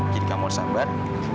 jadi kamu harus sabar